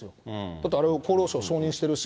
だって、厚労省承認してるし。